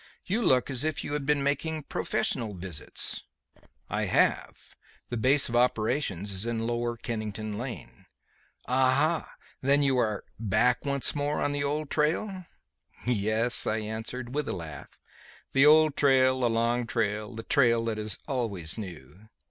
"You look as if you had been making professional visits." "I have. The base of operations is in Lower Kennington Lane." "Ah! Then you are 'back once more on the old trail'?" "Yes," I answered, with a laugh, "'the old trail, the long trail, the trail that is always new.'"